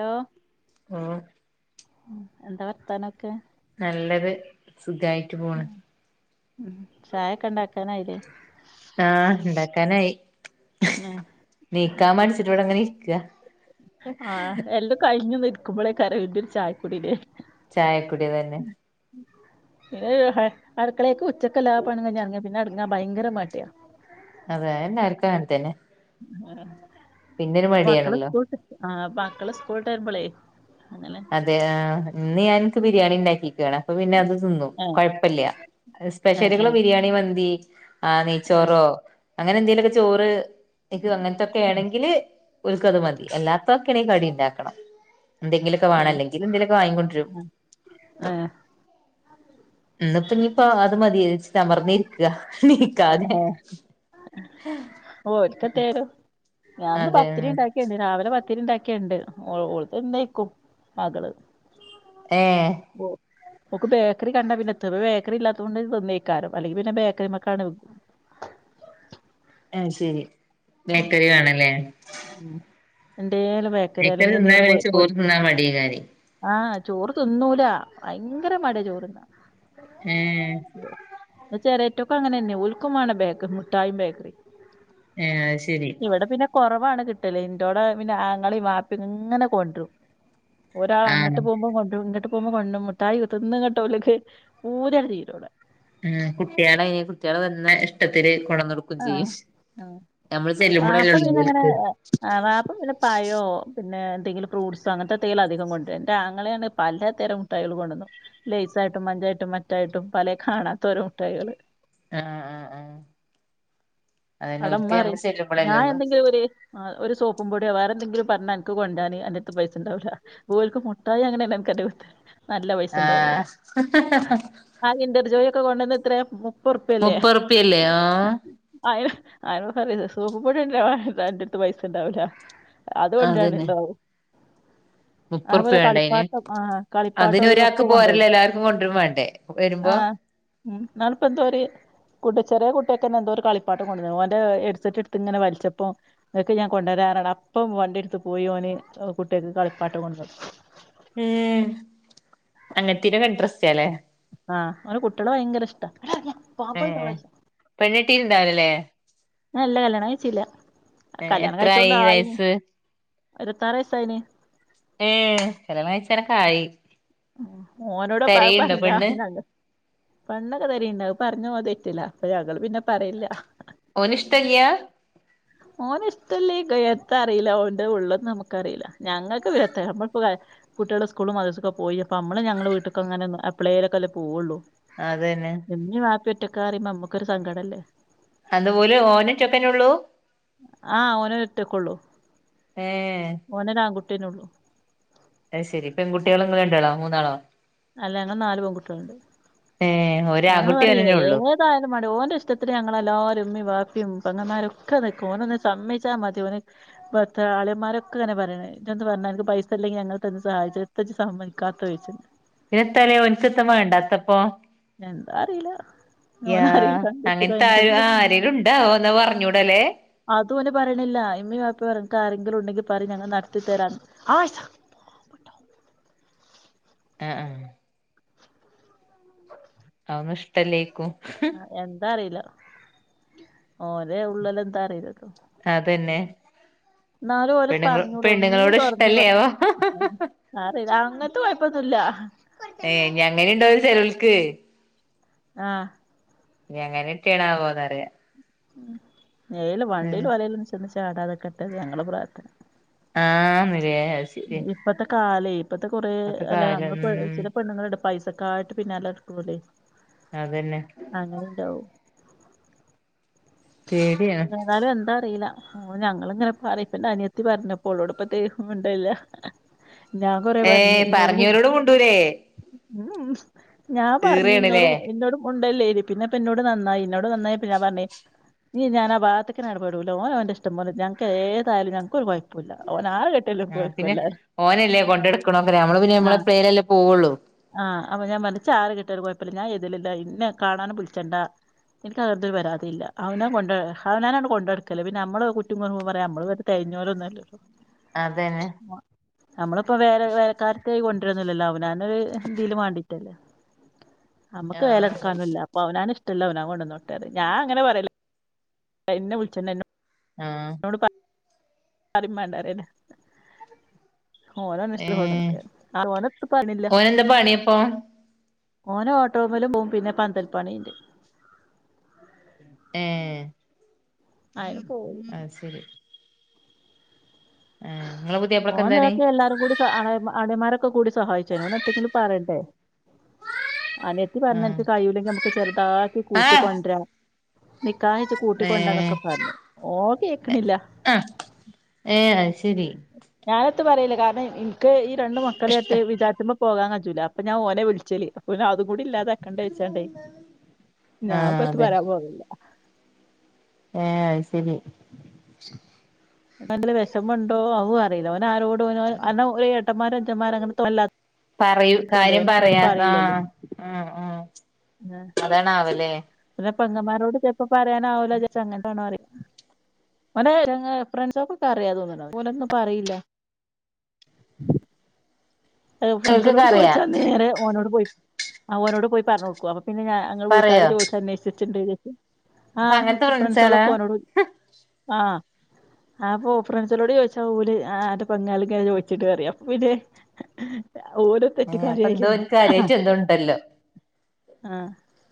Hello ആ എന്താ വർത്താനക്കെ? നല്ലത് സുഖായിട്ട് പോണ്. ഉ ചായൊക്കെ ണ്ടാക്കാനായില്ലേ? ആ ണ്ടാക്കാനായി ഉം നീക്കാം മട്ച്ച്ട്ട് ഇവിടെങ്ങനെ ഇര്ക്കാ. ആഹഎല്ലാം കഴിഞ്ഞന്ന് ഇക്കുമ്പോളേ കരവിന്റെ ഒരു ചായക്കൊടില്ലേ ചായക്കുടിവനെ പിന്നെരുഹേ അട്ക്കളെയെക്ക് ഉച്ചക്കെല്ലാ പണികയ്ഞേർങ്ങിയ പിന്നെയർങ്ങാ ഭയങ്കര മടിയാ. അതെ എന്ന ആർക്കാ അൻത്തനെ. ആ മക്കള് മടിയാണല്ലോ സ്കൂൾട്ട് ആ മക്കള് സ്കൂൾ ട്ടെരുബെളേ അതെ ആ ഇന്ന് ഞാ ൻക്ക് ബിരിയാണി ണ്ടാക്കിക്കാ അപ്പ പിന്നെ അത് തിന്നും ഏഹ് കൊഴ്പ്പല്ല ഏഹ് സ്പെഷ്യലികള് ഏഹ് ബിരിയാണി മന്തി ആ ഏഹ് നെയ്ച്ചോറോ അങ്ങനെ എന്തേലൊക്കെ ചോറ് ട്ടിക്ക് അങ്ങൻത്തൊക്കെണെങ്കില് ഓൽക്കത് മതി എല്ലാത്ത എനിക്ക് കടി ഇണ്ടാക്കണം എന്തെങ്കി ക്കെവാണം ഏഹ് അല്ലെങ്കിൽ എന്തെലൊക്കെ വാങ്ങികൊണ്ടരും ഏഹ് ഏഹ് ഇന്ന്പ്പംഞ്ഞ് പ്പം അത് മതിയെച്ച്ട്ട് അമർന്നിരിക്ക ക്ക നീക്കാതെ ഏഹ് ഓൽക്കെത്തേലും ഞാൻന്ന് പത്തിരി ഇണ്ടാക്കിയ്ണ്ട് രാവിലെ പ ത്തിരിണ്ടാക്കിയെണ്ട് ഓൾ ഓള്തിന്നെയ്ക്കും മകള് ഏ ഓൾക്ക് ബേക്കറി കണ്ടാപിന്നെത്ത് ബേക്കറി ഇല്ലാതോണ്ട് തിന്നെയ്ക്കാരം അല്ലെങ്കി പിന്നെ ബേക്കറിമ്മ ക്കാണ് ഏ ശെരി ബേക്കറി വേണല്ലേ ഉം എന്തേലും ബേക്കറി അല്ലെങ്കിൽ തിന്നാ എന്തേലും പൊ പിന്നെ ചോറ് പൊരിക്ക തിന്നാൻ മടിയേക്കാരം ആ ചോറ് തിന്നൂല ഭയങ്കര മടിയാ ചോറ്ന്നാൻ ഏ ചിരേറ്റൊക്കെ അങ്ങനെ തന്നെ ഉൽക്കുമാണ് ബേക്കറി മുട്ടായിയും ബേക്കറി ഏ അത്ശെരി വാണ് കിട്ടല് എൻ്റോടെ പിന്നെ ആങ്ങളിം വാപ്പിം ഇങ്ങനെ കൊണ്ട് വരും ഒരാൾ ആഹ് അങ്ങട്ട് പോകുമ്പളുംകൊണ്ടരും പോകുമ്പോ കൊണ്ടരും മുട്ടായി തിന്ന്ങ്ങട്ട് ഓല്ക്ക് പൂതിങ്ങട്ട് തീരൂല ഉം കുട്ടിയാള് കുട്ടിയാള് വന്നെ ഇഷ്ടത്തില് കൊണ്ടൊന്നൊട്ക്കും ചെയ്യും ആ നമ്മള് ചെല്ലുമ്പോഴല്ലേ വാപ്പ ഉള്ളൂ പിന്നെ അങ്ങനെ ഓൽക്ക് അ് ആ വാപ്പ പിന്നെ പയോം പിന്നെ എന്തെങ്കിലും ഫ്രൂട്സോ അങ്ങനത്തെന്തേലും അധികം കൊണ്ടര എന്റെ ആങ്ങളേണ് പലതരം മുട്ടായികൾ കൊണ്ടന്നൊട്ക്ക [unintelligible] പൈസായിട്ടും മഞ്ചായിട്ടും മറ്റായിട്ടും പലെ കാണാത്ത ഒരോ മുട്ടായികള് ആഹ് ആഹ് ആഹ് അതന്നെ അവ്ടെ ഉമ്മ ഓൽക്ക് നമ്മള് പറയും ചെല്ലുമ്പോഴല്ലേ ഞാൻ ഉള്ളൂ എന്തെങ്കിലും ഒരു അ് ഒരു സോപ്പും പൊടിയോ വേറെ എന്തെങ്കിലും പറഞ്ഞാ അന്ക്ക് കൊണ്ടരാന് അന്റെട്ത്ത് പൈസ ഉണ്ടാവൂല ഓൽക്ക് മുട്ടായി വാങ്ങണേല് അന്ക്ക് അൻ്റെട്ത്ത് നല്ല ആഹ് പൈസണ്ടാവും ആ കിന്റെർജോയി ഒക്കെ കൊണ്ടന്ന് എത്രേ പൊറ്പ്യല്ലേ മുപ്പത് റുപ്യല്ലേ ആഹ് ആയി [unintelligible] [unintelligible] സോപ്പ്പ്പൊടികൊണ്ടരാന്പറ്ഞ്ഞാ അൻ്റെട്ത്ത് പൈസ ഉണ്ടാവില്ല അതുകൊണ്ടരാന് അതന്നെ ഇണ്ടാവും ഉം മുപ്പത് റുപ്യ അതുപോലെ വേണ്ടേ അയിന് കളിപ്പാട്ടം ആഹ് കളിപ്പാട്ടോ അതിന് ഒരാൾക്ക് അതുമിതൊക്കെ കൊണ്ടരും പോരല്ലോ എല്ലാവർക്കും കൊണ്ടുവരും വേണ്ടേ വരുമ്പോ ആഹ് [unintelligible] ചെറിയ കുട്ടിയാക്കെന്നെ എന്തോ ഒരു കളിപ്പാട്ട [unintelligible] ഓന്റെ ഹെഡ്സെറ്റ്ട്ത്ത്ങ്ങനെ വൽച്ചപ്പോ, ഇങ്ങക്ക് ഞാൻ കൊണ്ടരാർഞ്ഞാണ്ട് അപ്പം വണ്ടി ഇട്ത്ത് പോയി ഓന് കുട്ട്യാക്ക് കളിപ്പാട്ടം കൊണ്ട ഏ അങ്ങൻത്തീനൊക്കെ ഇൻട്രസ്റ്റാലെ? ആ, ഓന് കുട്ടിയളെ ഭയങ്കര ഇഷ്ട ഏ പെണ്ണട്ടീട്ട്ണ്ടാവൂല്ലലെ.. ആ ഇല്ല കല്യാണം കഴിച്ചീല്ല. ഏഹ് കല്യാണം എത്രായി കഴിച്ചോണ്ടായിന് വയസ്സ് ഇരുബത്താറ് വയസ്സായിനി ഏഹ്, കല്യാണം കഴിച്ചാനൊക്കായി ഓനോട് പ പറഞ്ഞാ [unintelligible] പണ്ണൊക്കെ തരണ്ട് അത് പറഞ്ഞ ഓൻ തെറ്റില്ല അപ്പൊ ഞങ്ങൾ പിന്നെ പറയില്ല ഓനിഷ്ടല്ല്യാ? ഓന്ഷ്ടല്ലേക്കും, എത്താ അറീല. ഓന്റെ ഉള്ളൊന്നമ്മക്കറീല. ഞങ്ങക്ക് പിന്നെത്ത, ഞമ്മള് കുട്ടികള് സ്കൂൾ മദ്രാസ്സ്ക്കെ പോയി, അപ്പോ അമ്മള് ഞങ്ങള് വീട്ട്ക്കൊങ്ങനെ എപ്പളേലൊക്കെല്ലേ പോകുള്ളു. അതന്നെ ഒറ്റക്കാറിയുമ നമ്മുക്കൊരു സങ്ക അതുപോലെ ഓനൊ റ്റക്കെന്നൊള്ളൂ? ആ ഓനൊരൊറ്റക്കൊള്ളു. ഏഹ് ഓനൊരാൺകുട്ടിയന്നൊള്ളു. അത് ശരി, പെൺകുട്ടിയള് ഇങ്ങള് രണ്ടാളോ മൂന്നാളോ? അല്ല ഞങ്ങള് നാല് പെൺകുട്ടിയാള്ണ്ട്. ഏഹ് ഞങ്ങള് ഒരാൺകുട്ടി പറയേ ഓനന്നെ ഉള്ളൂ ഏതായാലും മാണ്ടില, ഓന്റെ ഇഷ്ടത്തിന് ഞങ്ങളെല്ലാരും മ്മി വാപ്പിയും പങ്ങന്മാരൊക്കെ നിക്കും ഓന് ഒന്ന് സമ്മിച്ചാൽ മതി ഓന് ആളിയന്മാരൊക്കെെ പ ഇജൊന്ന് പർഞ്ഞ, അൻക്ക് പൈസല്ലെങ്കി ഞങ്ങള് തന്ന് സഹായിച്ച, എത്തജ് സമ്മയ്ക്കാത്തേ ചോയ്ച്ചും. പിന്നത്തലേ ഒൻക്ക് ത്ത വേണ്ടാത്തപ്പോ എന്താ അറീല യാ അങ്ങനത്തെ ആ ആരെലും ഉണ്ടാവോ ന്നാ പറഞ്ഞൂടല്ലേ അത് ഓന് പറിണില്ല. ഇമ്മിം, വാപ്പിം പറ്യ അൻക്കാരെ- രെങ്കിലുണ്ടെങ്കി പറി, ഞങ്ങള് നടത്തിത്തരാന്ന് ആഷ [unintelligible] അ അ അവനിഷ്ടല്ലേ അ എന്താ അറിയില ഓന്റെ ഉള്ളിലെന്താറീലല്ലോ അതന്നെ ന്നാലും ഓന് പെണ്ണുങ്ങ പർഞ്ഞൂടെ, ഒന്ന് പെണ്ണുങ്ങളോട് തല ഒന്ന് പ ഇഷ്ടല്ലേ ആവോ ആ അറീല, അങ്ങൻത്തെ കൊയ്പ്പൊന്നു ഏ ഞ്ഞങ്ങനീണ്ടോലൊ ചെലോൽക്ക് ആ ഞങ്ങനെറ്റേണാവോ പറ്യ ഏയ്ൽ ഉം വണ്ടീലും വലേലും ചെന്ന് ചാടാതെക്കട്ടെന്ന ഞങ്ങളെ പ്രാർത്ഥന. ആ ന്ന് ലെ അത് ശരി അല്ലെ ഇപ്പത്തെ കൊറേ അല്ലെ നമ്മള് ഉം ചില പെണ്ണുങ്ങൾണ്ട് പൈസക്ക ആയിട്ട് പിന്നെല്ല നാടുക്കൂണല് അതന്നെ അങ്ങനെണ്ടാവും. പേടിയാണ് ഏതാലും എന്താ അറീല. ഹാ ഞങ്ങളിങ്ങനെ പറിം. ഇപ്പന്റെ അനിയത്തി പറഞ്ഞപ്പോ, ആളോട്പ്പത്തേ മിണ്ടലില്ല. ഞാൻ കൊറേ ഏ പർഞ്ഞ്, ഇന്നോട് മു പറഞ്ഞോരോട് മുണ്ടൂലേ ഉം ഉം. ഞാൻ പറഞ്ഞ് ഈറേണ്ലേ ഇന്നോടും ഇന്നോട് മു ല്ലേനി. പിന്നെപ്പ ഇന്നോട് നന്നായി, ഇന്നോട് നന്നായപ്പൊ ഞാൻ പറഞ്ഞ് ഇഞ്ഞ് ഞാനാ വാത്തക്കെനെടപെടൂല, ഒനൊന്റെ ഇഷ്ടംപോലെ, ഞങ്ങക്ക് ഏതായാലും ഞങ്ങക്കൊരു കൊയ്പ്പു ആ പിന്നെ, ഓനല്ലേ കൊണ്ടെട്ക്കണൊക്കെ നമ്മള് പിന്നെ ആ നമ്മളെപ്പളേല്ലെ പോവുള്ളു. ആ അപ്പൊ ഞാൻ പറഞ്ഞ്, ഇച്ചാരെ കെട്ട്യാലും കൊഴപ്പല്ല, ഞാൻ ഏതിലൂല്ല. ഇന്നെ കാണാനും വിൾച്ചണ്ടാ ഇൻക്കങ്ങൻത്തെ ഒരു പരാതീല്ല. അവനാൻ കൊണ്ട അവ്നാനാണ് കൊണ്ടട്ക്കല്, പിന്നെമ്മള് കുറ്റും കുറവും പറയാൻ നമ്മള് വരെ തെയ്ഞ്ഞോലൊന്നു അല്ലല്ലോ. അതന്നെ നമ്മളിപ്പോ വേറെ വേലക്കാരത്ത്യായി കൊണ്ടരൊന്നുല്ലല്ലോ അവനാനൊരു എന്തേലും വേണ്ടിട്ടല്ലേ ആ നമ്മക്ക് വേലട്ക്കാനൊന്നുംല്ല അപ്പൊ അവനാന് ഇഷ്ടംല്ലെ അവനാൻ കൊണ്ടന്നോട്ടേന്ന് ഞാൻ അങ്ങനെ പറ്യല് ഇന്നെ വിളിച്ചണ്ട ആഹ് പറിംമാണ്ടാറിയല ഓന് ഓന് ഏ ഇഷ്ട്ടല്ലെകൊണ്ടന്നൊട്ടെ ആ ഓനെത്തും പണില്ല ഓനെന്താ പണിയപ്പൊ ഓന് ഓട്ടോമ്മലും പോവും പിന്നെ പന്തൽപ്പണിണ്ട് ഹെ ആയി ആഹ് ശരി ഇങ്ങളെ പുതിയാപ്ലക്ക് ഓൻ എന്താണ് നോക്കിയ എല്ലാരും കൂടി ച്ച ആ ളെ ആളിയൻമാര് ഒക്കെ കൂടി സഹായിച്ചും അയ്ന് ഓൻ എത്തെങ്കിലും പറേണ്ടേ അനിയെത്തി പറഞ്ഞു ആഹ് അനക്ക് കഴൂല്ലെങ്കിൽ നമുക്ക് ചെറുതാക്കി ആഹ് കൂട്ടിക്കൊണ്ടരാ നിക്കാഹ്കയ്ച്ച് ഏഹ് കൂട്ടിക്കൊണ്ടരാന്നൊക്കെ പറഞ്ഞു ഓൻ കേക്ക്ണില്ല ശെരി ത്ത് പറയില്ല കാരണം എനിക്ക് ഈ രണ്ട് ഇഷ്ട മക്കളെയ്ട്ട് വിചാര്ച്ച്മ്പോ പോകാൻ കയൂല അപ്പം ഞാന് ഓനെ വിളിച്ചല് പിന്നെ അതും കൂടി ഇല്ലാതാക്കണ്ട വെച്ചാണ്ട് ഞാൻ ആഹ് ഇപ്പം എത്തും പറയാൻ പോകലില്ല ഹെ അത്ശെരി [unintelligible] വെഷമണ്ടോ അവും അറിയില്ല ഒന് ആരോടും ഒന് കാരണം ഒര് ഏട്ടന്മാരും അഞ്ചന്മാര് അങ്ങനെതൊണല്ലാ പറയൂ കാര്യം പറയാ പറയില്ലല്ലോ ആ അതണാവല്ലേ നെ പൊങ്ങമാരോട് ചെലപ്പം പറയാനാവൂല അങ്ങട്ടാണോ അറിം ഓന്റെ ഞങ്ങ ഫ്രണ്ട്സൊക്കൊ ഒക്കെ അറിയാ തോന്നണ അപ്പ ഓലൊന്നും ഒന്നും പറയില്ല ഓൽക്കൊക്കെ ഫ്രസിനോട് അറിയാ ചോദിച്ചാ നേരെ ഓനോട് പോയി ആ ഓനോട് പോയി പറഞ്ഞുടുക്കും അപ്പൊ പിന്നെ ഞാഞങ്ങങ്ങള് വീട്ടുകാര് പറയോ ചോദിച്ച അന്വേഷിച്ചട്ടുണ്ട് ആ അപ്പൊ അങ്ങനത്തെ ഫ്രണ്ട്സാളാ ഫ്രണ്ട്സ്ക്കെ ഓനോട്‌ ഉ ആ ആ പോ ഫ്രൻസാളോട് ചോദിച്ചാ ല് ആന്റെ പെങ്ങള് ചോയിച്ചിണ്ട് അറിമ് അപ്പൊ പിന്നെ ഓരോ ഏഹ് അപ്പൊ എന്തോ തെറ്റിക്കാര്ല്ലേ ഓൻക്ക് അ കാര്യായിട്ട് എന്തോ ഉണ്ടല്ലോ ആ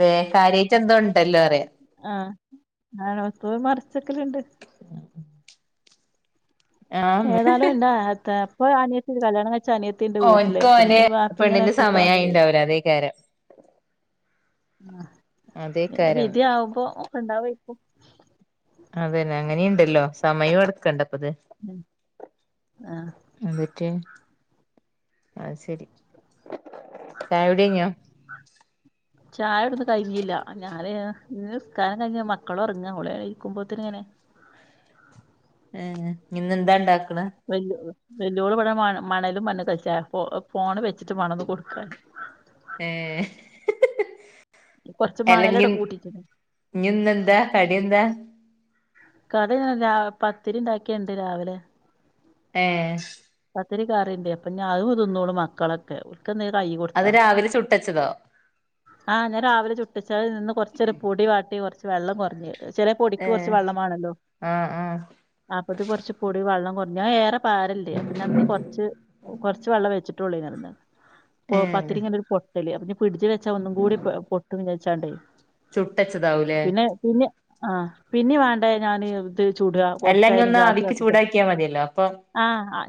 വേ കാര്യട്ട എന്തോണ്ട് ആ ആണപ്പയും മറിച്ചക്കലുണ്ട് ആഹ് ഏതാലും ഇണ്ടാപ്പൊഅനിയത്തിൻഡ് കല്യാണം കഴി ച്ച് അനിയത്തിണ്ട് വീട്ടില് ഓൻക്ക് പ ഓന്റെ മ്മി വാപ്പിമ് ഇങ്ങനെ പെണ്ണിന്റെ ഒറ്റക്ക ആവുമ്പഴ സമയായിണ്ടാവൂല അതേക്കാരം ആ പിന്നെ അതേക്കാരം വിധി ആവുമ്പോ ഒക്ക ഇണ്ടാവക്കും അതന്നെ അങ്ങനിംണ്ടല്ലോ സമയം എടുക്കണ്ട അപ്പത് ഉം ആഹ് എന്നിട്ട് അ ശരി ചായടി കയിഞ്ഞോ ചായ ഇടുന്ന് കഴിഞ്ഞില്ല ഞാന് ഇ നിസ്ക്കാരം കഴിഞ്ഞ മക്കൾ ഒറങ്ങ ഇവിടെ ഇരിക്കുമ്പോത്തിന് ഇങ്ങനെ [unintelligible] ഹെ ഇന്ന്ന്ത ഉണ്ടാക്ക വല്ല വല്ലോൾ ഇവിടെ മണലും മണ്ണ് കളിച്ച ഫോണ് വെച്ചിട്ട് മണന്ന് കൊടുക്കൻ ഏ കൊറച്ച് അലങ്ങി മണലവിടെ കൂട്ടിട്ട്ണ്ട് ഇന്നിന്നെന്താ കടിയന്താ കഥ ഞാൻ രാ പത്തിരിണ്ടാക്കിയുണ്ട് രാവിലെ ഏ പത്തിരി കറിണ്ട്അപ്പൊ ഞ അഹ് തിന്നോള്ളൂ മക്കളൊക്കെ ക്കെ ന്ന് കൈ അത് കൊടുത്താ രാവിലെ ചുട്ടച്ചതോ ആ ഞാൻ രാവിലെ ചുട്ടച്ച അഹ് ഇന്നൊരു പൊടി വട്ടി കുറച്ച് വെള്ളം കുറഞ് ചെല പൊടിക്ക് ഏഹ് കുറച്ച് വെള്ളംമാണല്ലോ ആഹ് ആഹ് അപ്പത് കൊറച്ച് പൊടി വെള്ളം കുറഞ് ഞാൻ ഏറെ പാരല്ലേ പ്പൊ ഞന്ന് കുറച്ച് കുറച്ച് വെള്ളം വെച്ചിട്ട്ള്ളിന്ന്. പ ഏഹ് പത്തിരി ഇങ്ങനെരു പൊട്ടല ഈ ഫ്രിഡ്ജിൽ വെച്ചാ ഒന്നും കൂടി പൊട്ട വെച്ച് കണ്ടേ ചുട്ടച്ചതാവൂലേ. ആ പിന്നെ വേണ്ട ഞാന്. ചൂടുക അല്ല ഇഞ്ഞ് കൊറച്ചായാലും ഒന്ന് ഗ്യാസ് ആവിക്ക് കത്തി ചൂടാക്കിയാ മതിയല്ലോ അപ്പം ആ-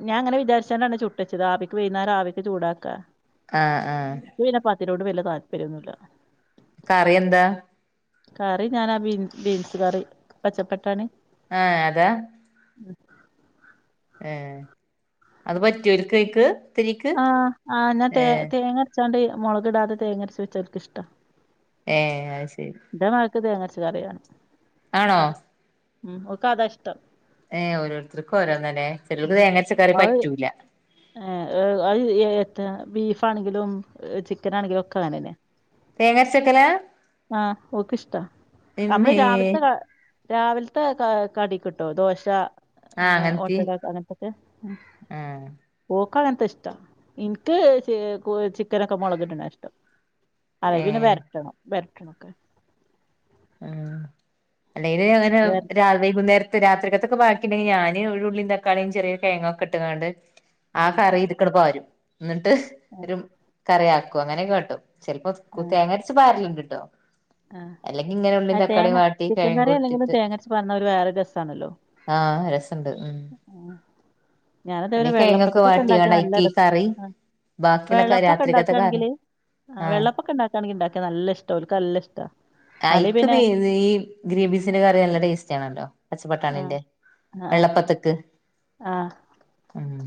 ഞാങ്ങന വിചാരിച്ചാണ്ടാണ് ചുട്ടച്ചത് ആവിക്ക് വൈുന്നാർ ആവിക്ക് ചൂടാക്കാ. ആഹ് ആഹ് - തിനോട് വല താല്പര്യന്നുല്ല. കറി എന്താ? കറി ഞാനാ ബീൻ ബീൻസ് കറി പച്ചപ്പട്ടാണി. ആഹ് അതാ. മ് ഏ അത് പറ്റോല്ക്ക് ക്കായിക്ക്? ആഹ് ആ ഞാ തേ തേങ്ങ രച്ചാണ്ട് മുളക് ടാതെ തേങ്ങരച്ച വെച്ച ഓള്ക്കിഷ്ട്ട. ഏ അത് ശരി. ക്ക് തേങ്ങ അരച്ച കറിയ - ആണോ? മ്മ് ഊകത ഇഷ്ട്ടം. ഏ ഓരോരുത്തർക്കും ഓരോന്നല്ല- [unintelligible] ബീഫാണെങ്കിലും ചിക്കനാണെങ്കിലും ഒക്കെ അങ്ങനെന്നെ. തേങ്ങരച്ചക്കലാ ആഹ് ഓക്ക് ഇഷ്ടാ നമ്മള് ഇമ്മേ രാവിലത്തെ രാവിലത്തെ കടി കിട്ടോ ദോശ. ആ അങ്ങനത്തി അങ്ങനത്തക്കെ ആഹ് ഓ- ക്കളത്തെ ഇഷ്ടം ഇൻക്ക് ചെ കോഴി ചിക്കനൊക്കെ മുളക് ഇടുന്ന ഇഷ്ടം. അതെ പിന്നെ ഏഹ് വെരട്ടണം വെരട്ടണൊക്കെ ആ അല്ലെ അങ്ങനെ വര രാവിലെ വൈകുന്നേര രാത്രിക്കത്തൊക്കെ ബാക്കിയിണ്ടെങ്കിൽ ഞാന് ഒരു ഉള്ളിയും, തക്കാളിയും, ചെറിയകിഴങ്ങക്കെയിട്ട് അങ്ങാണ്ട് ആ ആഹ് കറി ഇക്കണ പകരും എന്നിട്ട് ആഹ് ഒരു കറി ആക്കും അങ്ങനെ കാട്ടും. ചിലപ്പോ കൊത്തി ആഹ് തേങ്ങരച്ച് പാറലുണ്ട്ട്ടോ ആഹ് അ തേങ്ങ വാട്ടി കിഴങ്ങും ചിക്കൻക്കറി അല്ലെങ്കിലും ഇട്ടിട്ട് തേങ്ങരച്ച പാറണ വേറെ ഒരു രസാണല്ലോ. ആഹ് രസയിണ്ട്. ഞാന അതേവരെ വെള്ളപ്പൊത്തക്കെ ഉണ്ടാക്കിയ നല്ല അയ്ക്ക് ഈ രസ കറി ബാക്കിയുള്ള വെള്ളപ്പൊക്കെ രാത്രിക്കത്തെ കറി ഒണ്ടാക്കുകയാണെങ്കില് ആഹ് വെള്ളപ്പൊക്കെ ഒണ്ടാക്കായാണെങ്കില് ഇണ്ടാക്കിയ നല്ല ഇഷ്ടം ഇവൾക്ക് നല്ല ഇഷ്ടാ അല്ലെ കൈക്ക് പിന്നെ ഈ ഗ്രേപീസിന്റെ കറി നല്ല ടേസ്റ്റ് ആണല്ലോ. ആഹ് പച്ചപ്പട്ടാണിന്റെ ആഹ് ആഹ് വെള്ളപ്പത്തക്ക്. ആഹ്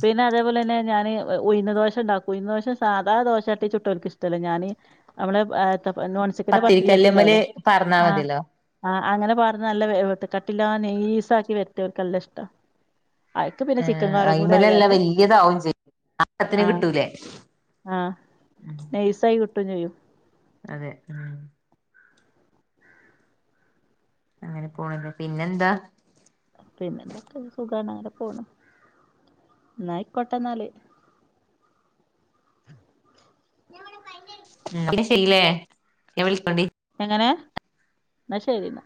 പിന്നെ അതേപോലെതന്നെ. ഞാന് ഉഴുന്ന് ദോശ ഇണ്ടാക്കും ഉഴുന്ന് ദോശ സാധാ ദോശട്ടി ചുട്ടുംക്കക്ക് ഇഷ്ടമല്ല ഞാനി അവളെ ആ നോൺസ്റ്റിക്കിന്റെ പത്തിരിചട്ടി പത്തിരിക്കല്ലുമ്മല് ഇണ്ടാവല്ലെ പാർന്നാ ആ മതിയല്ലോ ആ അങ്ങനെ പറഞ്ഞ നല്ല വ കട്ടില്ലാ നൈസാക്കി വെട്ടിയവർക്കല്ല ഇഷ്ടം അയക്ക് പിന്നെ ചിക്കൻ ഏഹ് കറ് കൂടെ അയ്മലെല്ലാം ആയാല് വല്യതാവും ചെയ്യും ആക്കത്തിന് ആ കിട്ടൂലേ ആ നൈസായി കിട്ടും ചെയ്യും. അതെ ഉം അങ്ങനെ പോണില്ല പിന്നെന്താ? പിന്നെ എന്തൊക്കെ സുഖാണ് അങ്ങനെ പോണു ന്നാ അയ്കൊട്ടനാല്. [unintelligible] പിളിച്ചില്ലേ എന്നെ വിളിക്കൊണ്ടി. ങ്ങനെ എന്നാ ശരി എന്നാ